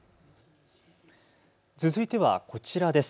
続いてはこちらです。